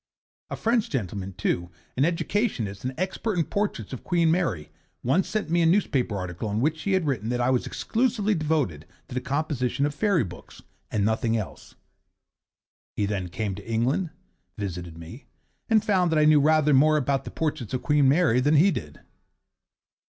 A French gentleman, too, an educationist and expert in portraits of Queen Mary, once sent me a newspaper article in which he had written that I was exclusively devoted to the composition of fairy books, and nothing else. He then came to England, visited me, and found that I knew rather more about portraits of Queen Mary than he did.